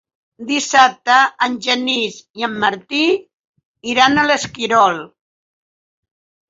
Dissabte en Genís i en Martí iran a l'Esquirol.